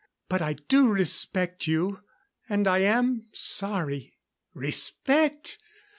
But I do respect you. And I am sorry " "Respect!